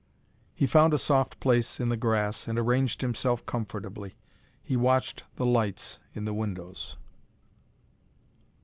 He found a soft place in the grass, and arranged himself comfortably. He watched the lights in the windows.